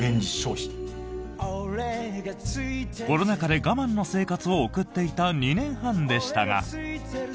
コロナ禍で我慢の生活を送っていた２年半でしたが。